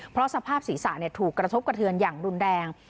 เพราะสภาพศีรษะถูกกระทบกระเทือนอย่างรุนแรง